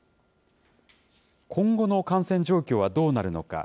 今後の感染状況はどうなるのか。